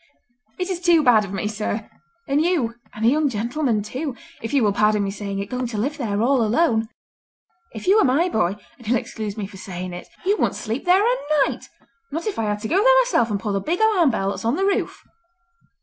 "It is too bad of me, sir, and you—and a young gentlemen, too—if you will pardon me saying it, going to live there all alone. If you were my boy—and you'll excuse me for saying it—you wouldn't sleep there a night, not if I had to go there myself and pull the big alarm bell that's on the roof!"